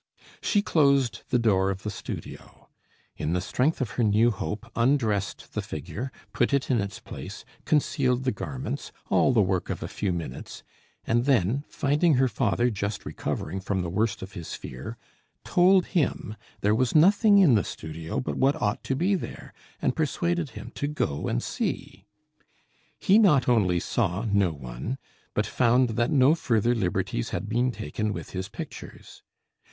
She closed the door of the studio; in the strength of her new hope undressed the figure, put it in its place, concealed the garments all the work of a few minutes; and then, finding her father just recovering from the worst of his fear, told him there was nothing in the studio but what ought to be there, and persuaded him to go and see. He not only saw no one, but found that no further liberties had been taken with his pictures.